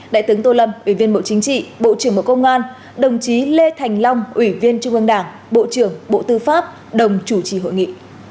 đại tướng tô lâm ủy viên bộ chính trị bộ trưởng bộ công an đồng chí lê thành long ủy viên trung ương đảng bộ trưởng bộ tư pháp đồng chủ trì hội nghị